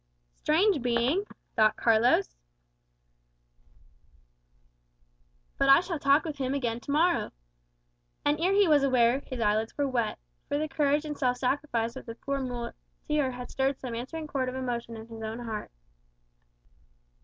"Strange being!" thought Carlos; "but I shall talk with him again to morrow." And ere he was aware, his eyelids were wet; for the courage and self sacrifice of the poor muleteer had stirred some answering chord of emotion in his heart.